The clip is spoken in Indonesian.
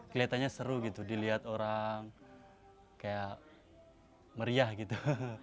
kelihatannya seru gitu dilihat orang kayak meriah gitu